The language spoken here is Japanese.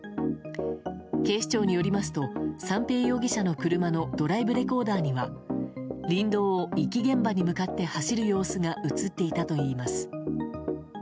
警視庁によりますと三瓶容疑者の車のドライブレコーダーには林道を遺棄現場に向かって走る様子が映っていたといいます。